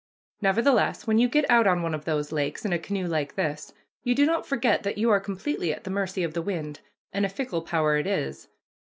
Nevertheless, when you get out on one of those lakes in a canoe like this, you do not forget that you are completely at the mercy of the wind, and a fickle power it is.